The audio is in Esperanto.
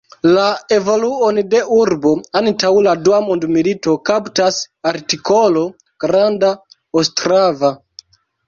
La evoluon de urbo antaŭ la dua mondmilito kaptas artikolo Granda Ostrava.